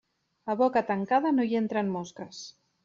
A boca tancada no hi entren mosques.